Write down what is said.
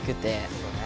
そうね。